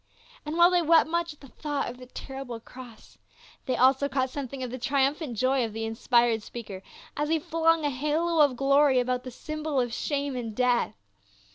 And while they wept much at the thought of the terrible cross, they also caught something of the triumphant joy of the inspired speaker, as he flung a halo of glory about the symbol of shame and death.